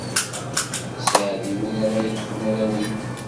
D aseɛdi win ara yeṭṭfen arraw-im.